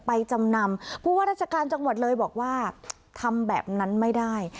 จำนำผู้ว่าราชการจังหวัดเลยบอกว่าทำแบบนั้นไม่ได้